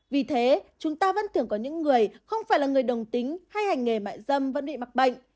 vì thế chúng ta vẫn thường có những người không phải là người đồng tính hay hành nghề mại dâm vẫn bị mắc bệnh